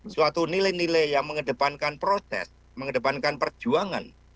suatu nilai nilai yang mengedepankan proses mengedepankan perjuangan